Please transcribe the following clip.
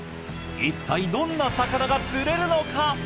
一体どんな魚が釣れるのか？